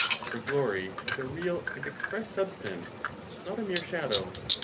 For glory is a real and express substance, not a mere shadow.